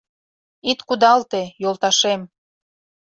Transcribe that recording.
Ит кудалте, йолташем.